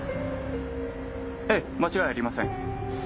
えぇ間違いありません。